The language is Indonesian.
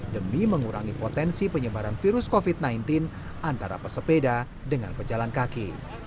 demi mengurangi potensi penyebaran virus covid sembilan belas antara pesepeda dengan pejalan kaki